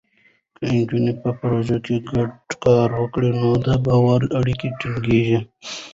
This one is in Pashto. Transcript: که نجونې په پروژو کې ګډ کار وکړي، نو د باور اړیکې ټینګېږي.